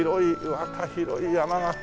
また広い山が。